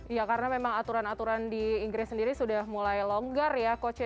ya karena memang aturan aturan di inggris sendiri sudah mulai longgar ya coach ya